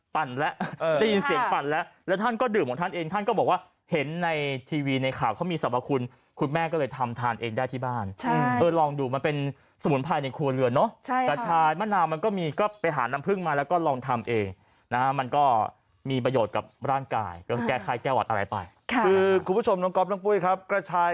เพราะฉะนั้นก็บอกว่าเห็นในทีวีในข่าวเขามีสรรพคุณคุณแม่ก็เลยทำทานเองได้ที่บ้านใช่เออลองดูมันเป็นสมุนไพรในครัวเรือนเนอะใช่ค่ะกระชายมะนาวมันก็มีก็ไปหาน้ำผึ้งมาแล้วก็ลองทำเองนะฮะมันก็มีประโยชน์กับร่างกายแล้วก็แก้ไข้แก้วัดอะไรไปค่ะคือคุณผู้ชมน้องก๊อบน้องปุ้ยครับกระช